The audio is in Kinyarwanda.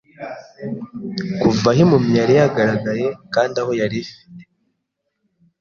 kuva aho impumyi yari yagaragaye kandi aho yari afite